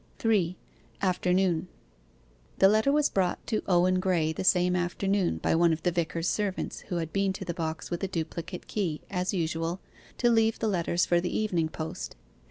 3. AFTERNOON The letter was brought to Owen Graye, the same afternoon, by one of the vicar's servants who had been to the box with a duplicate key, as usual, to leave letters for the evening post.